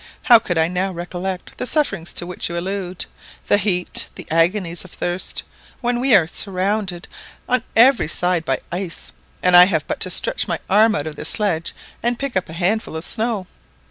How could I now recollect the sufferings to which you allude—the heat, the agonies of thirst—when we are surrounded on every side by ice, and I have but to stretch my arm out of this sledge to pick up a handful of snow?